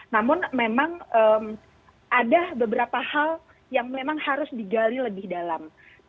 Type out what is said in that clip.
namun memang ada beberapa hal yang memang harus digali lebih dalam